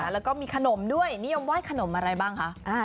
แล้วก็มีขนมด้วยนิยมไห้ขนมอะไรบ้างคะ